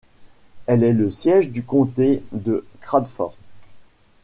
Elle est le siège du comté de Crawford.